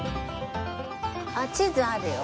あっ地図あるよ。